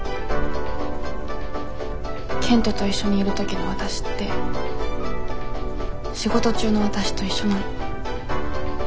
賢人と一緒にいる時のわたしって仕事中のわたしと一緒なの。